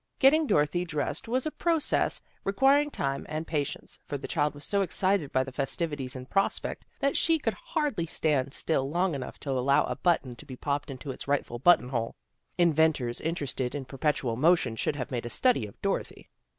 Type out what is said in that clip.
Getting Dorothy dressed was a process re quiring time and patience, for the child was so excited by the festivities in prospect that she could hardly stand still long enough to allow a button to be popped into its rightful button hole. Inventors interested in perpetual mo tion should have made a study of Dorothy.